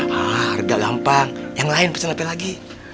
harga gampang yang lain pesen apa lagi